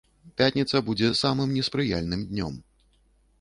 Пятніца будзе самым неспрыяльным днём.